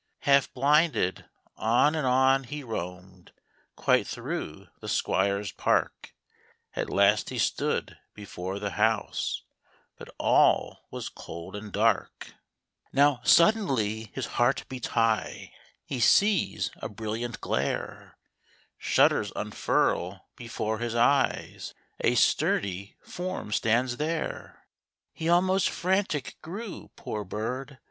Half blinded, on and on he roamed, Quite through the Squire's park; At last he stood before the house, But all was cold and dark. THE ROBIN'S CHRISTMAS EVE. Has led poor Robin here. Now suddenly his heart beats high ! He sees a brilliant glare, Shutters unfurl before his eyes— A sturdy form stands there ! He almost frantic grew, poor bird!